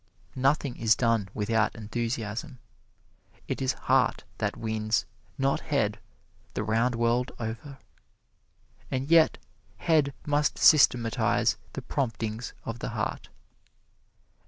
Nothing is done without enthusiasm. It is heart that wins, not head, the round world over. And yet head must systematize the promptings of the heart.